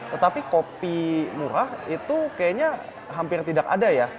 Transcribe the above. tetapi kopi murah itu kayaknya hampir tidak ada ya